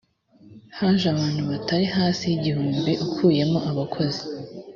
haje abantu batari hasi y’igihumbi ukuyemo abakozi